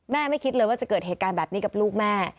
ไม่คิดเลยว่าจะเกิดเหตุการณ์แบบนี้กับลูกแม่